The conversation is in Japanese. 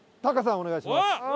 お願いします。